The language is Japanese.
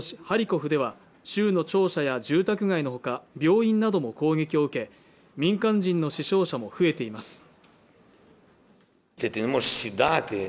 ハリコフでは州の庁舎や住宅街のほか病院なども攻撃を受け民間人の死傷者も増えています